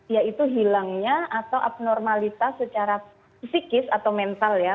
yaitu hilangnya atau abnormalitas secara psikis atau mental ya